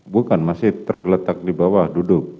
bukan masih tergeletak di bawah duduk